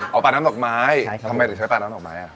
เอาปลาน้ำดอกไม้ทำไมถึงใช้ปลาน้ำดอกไม้อ่ะ